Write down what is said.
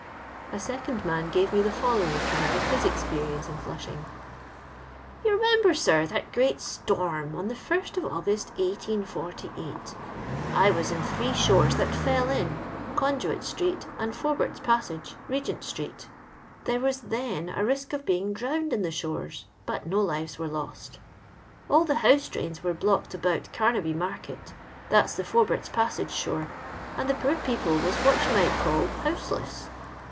« A second man gave me the following account of his experience in flushing :—" You remember, sir, that great storm on the lit August, 1848. I was in three shores that fell ia — Conduit street and Poubert's paasage, Regen^ street There was then a ri^k of being drowned in the shores, but no lives were lost. All the house drains were blocked about Gamaby market — that 's the Foubert's passage shore — and the poor people was what you might call houseless.